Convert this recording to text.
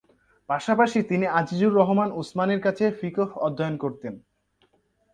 পাশাপাশি তিনি আজিজুর রহমান উসমানির কাছে ফিকহ অধ্যয়ন করতেন।